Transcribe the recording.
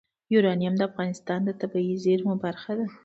یورانیم د افغانستان د طبیعي زیرمو برخه ده.